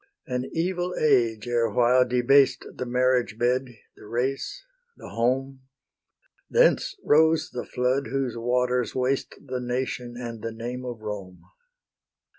An evil age erewhile debased The marriage bed, the race, the home; Thence rose the flood whose waters waste The nation and the name of Rome.